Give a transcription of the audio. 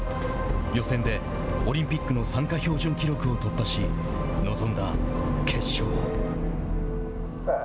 予選でオリンピックの参加標準記録を突破しおっと。